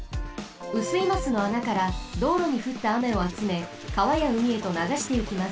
雨水ますの穴からどうろにふったあめをあつめかわやうみへとながしてゆきます。